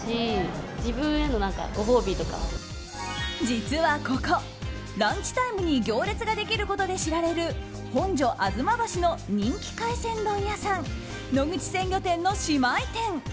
実はここ、ランチタイムに行列ができることで知られる本所吾妻橋の人気海鮮丼屋さん野口鮮魚店の姉妹店。